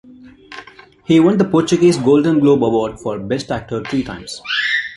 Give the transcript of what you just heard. He won the Portuguese Golden Globe award for best actor three times.